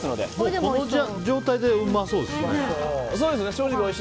この状態でうまそうですね。